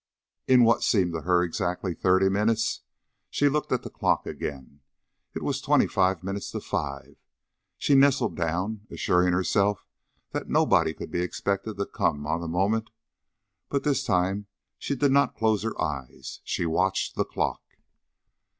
In what seemed to her exactly thirty minutes she looked at the clock again. It was twenty five minutes to five. She nestled down, assuring herself that nobody could be expected to come on the moment, but this time she did not close her eyes; she watched the clock.